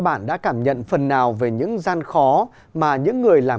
bám trụ ở nơi khó khăn này